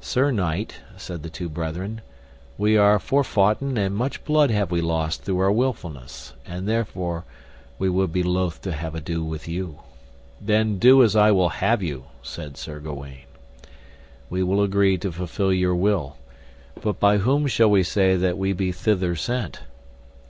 Sir knight, said the two brethren, we are forfoughten and much blood have we lost through our wilfulness, and therefore we would be loath to have ado with you. Then do as I will have you, said Sir Gawaine. We will agree to fulfil your will; but by whom shall we say that we be thither sent?